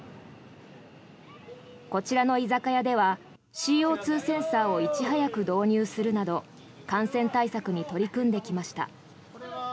こちらの居酒屋ではＣＯ２センサーをいち早く導入するなど感染対策に取り組んできました。